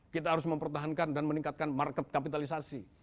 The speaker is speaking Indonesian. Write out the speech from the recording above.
kita harus mempertahankan dan meningkatkan market kapitalisasi